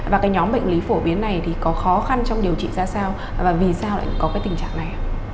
và cái nhóm bệnh lý phổ biến này thì có khó khăn trong điều trị ra sao và vì sao lại có cái tình trạng này